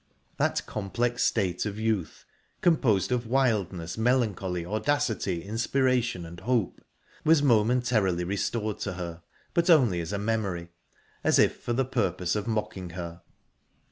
That complex state of youth, composed of wildness, melancholy, audacity, inspiration, and hope, was momentarily restored to her, but only as a memory, as if for the purpose of mocking her...